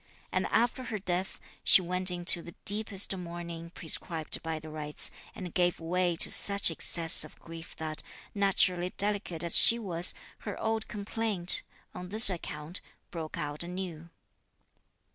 (And after her death,) she went into the deepest mourning prescribed by the rites, and gave way to such excess of grief that, naturally delicate as she was, her old complaint, on this account, broke out anew.